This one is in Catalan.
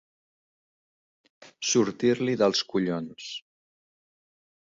Sortir-li dels collons.